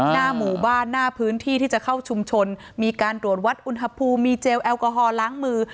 หน้าหมู่บ้านหน้าพื้นที่ที่จะเข้าชุมชนมีการตรวจวัดอุณหภูมิมีเจลแอลกอฮอลล้างมือ